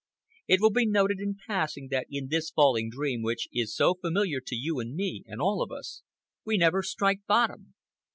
It will be noted, in passing, that in this falling dream which is so familiar to you and me and all of us, we never strike bottom.